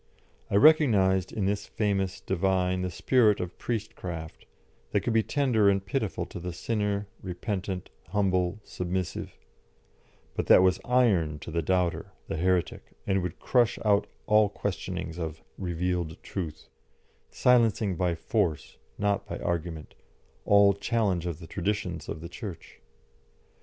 I recognised in this famous divine the spirit of priest craft, that could be tender and pitiful to the sinner, repentant, humble, submissive; but that was iron to the doubter, the heretic, and would crush out all questionings of "revealed truth," silencing by force, not by argument, all challenge of the traditions of the Church.